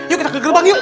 yuk kita ke gerbang yuk